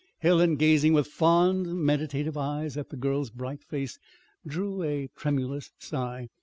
Helen, gazing with fond, meditative eyes at the girl's bright face, drew a tremulous sigh.